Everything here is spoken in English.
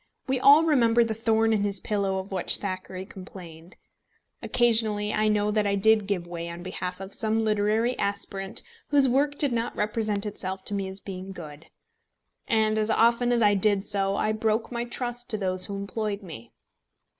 We all remember the thorn in his pillow of which Thackeray complained. Occasionally I know that I did give way on behalf of some literary aspirant whose work did not represent itself to me as being good; and as often as I did so, I broke my trust to those who employed me.